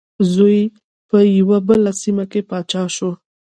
زوی په یوه بله سیمه کې پاچا شو.